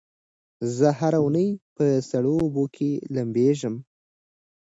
زه هره اونۍ په سړو اوبو کې لمبېږم.